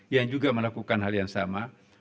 yang juga melakukan hal yang sama